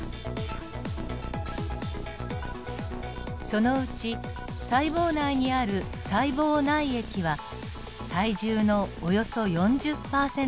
そのうち細胞内にある細胞内液は体重のおよそ４０％です。